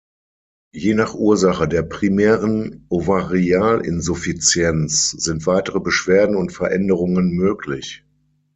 Je nach Ursache der primären Ovarialinsuffizienz sind weitere Beschwerden und Veränderungen möglich.